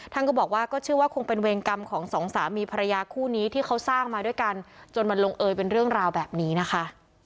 ท่านก็บอกว่าก็เชื่อว่าคงเป็นเวรกรรมของสองสามีภรรยาคู่นี้ที่เขาสร้างมาด้วยกันจนมันลงเอยเป็นเรื่องราวแบบนี้นะคะ